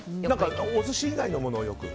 お寿司以外のものをよく？